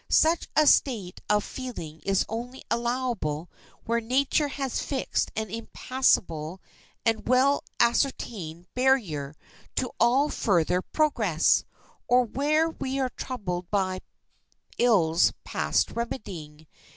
Such a state of feeling is only allowable where nature has fixed an impassable and well ascertained barrier to all further progress, or where we are troubled by ills past remedying.